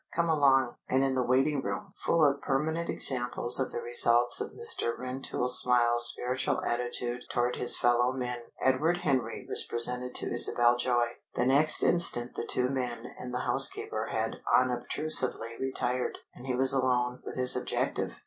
Come along." And in the waiting room, full of permanent examples of the results of Mr. Rentoul Smiles's spiritual attitude toward his fellow men, Edward Henry was presented to Isabel Joy. The next instant the two men and the housekeeper had unobtrusively retired, and he was alone with his objective.